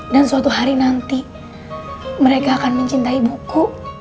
dan suatu hari nanti mereka akan mencintai buku